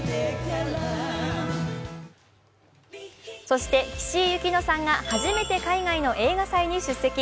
そして、岸井ゆきのさんが初めて海外の映画祭に出席。